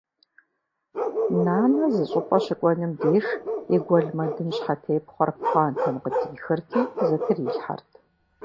Нанэ зы щӏыпӏэ щыкӏуэнум деж и гуэлмэдын щхьэтепхъуэр пхъуантэм къыдихырти зытрилъхьэрт.